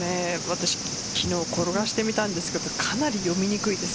昨日転がしてみたんですけどかなり読みにくいです